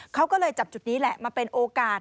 เขาก็เลยจับจุดนี้แหละมาเป็นโอกาส